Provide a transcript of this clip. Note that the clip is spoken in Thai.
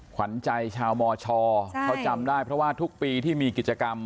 ขวัญใจชาวมชเขาจำได้เพราะว่าทุกปีที่มีกิจกรรม